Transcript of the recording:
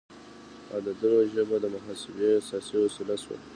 د عددونو ژبه د محاسبې اساسي وسیله شوه.